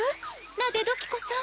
ナデドキコさん。